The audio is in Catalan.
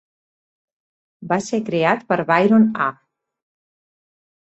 Va ser creat per Byron A.